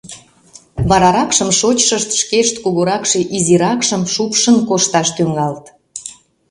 Вараракшым шочшышт шкешт кугуракше изиракшым шупшын кошташ тӱҥалыт.